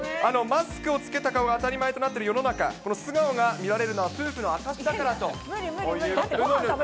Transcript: マスクを着けた顔が当たり前となっている世の中、この素顔が見られるのは夫婦の証しだからと無理無理無理。